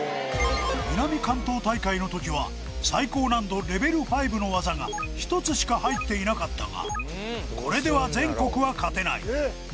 南関東大会の時は最高難度レベル５の技が１つしか入っていなかったがこれでは全国は勝てない